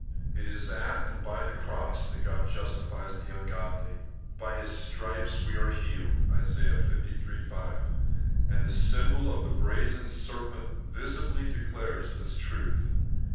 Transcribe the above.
It is at and by the cross that God justifies the ungodly. ' By His stripes we are healed ' (Isa. liiL 5) ; and the symbol of the brazen serpent visibly declares this truth.